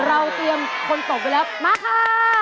เราเตรียมคนตกไปแล้วมาค่ะ